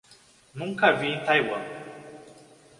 Nunca vi em Taiwan